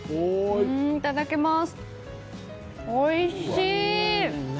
いただきます。